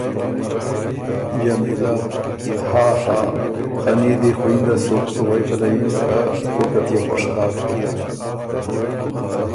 جمیلۀ: ها۔۔ها۔۔خنی دی خوړینده سُک غوېکه له یِن که کوکت يې خوش داک بُک۔